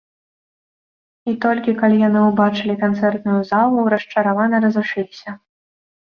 І толькі калі яны ўбачылі канцэртную залу, расчаравана разышліся.